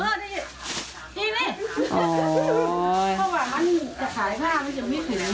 ดีใน